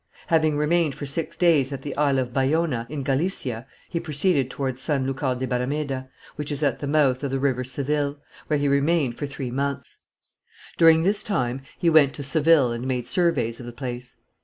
Having remained for six days at the Isle of Bayona, in Galicia, he proceeded towards San Lucar de Barameda, which is at the mouth of the river Seville, where he remained for three months. During this time he went to Seville and made surveys of the place.